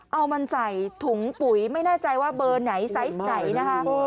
เอามันใส่ถุงปุ๋ยไม่แน่ใจว่าเบอร์ไหนไซส์ไหนนะคะ